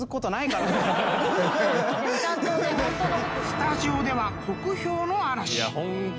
［スタジオでは酷評の嵐］